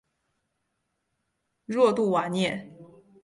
若杜瓦涅。